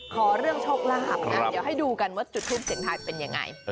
ขอเรื่องโชคลาภนะเดี๋ยวให้ดูกันว่าจุดทูปเสียงทายเป็นยังไง